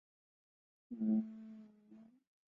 本次日偏食可在南极洲靠近澳大利亚的一部分看到。